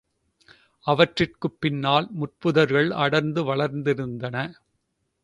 அவற்றிற்குப் பின்னால் முட்புதர்கள் அடர்ந்து வளர்ந்திருந்தன.